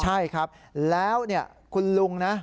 ใช่ครับแล้วคุณลุงนะ